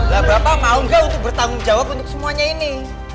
lah bapak mau nggak untuk bertanggung jawab untuk semuanya ini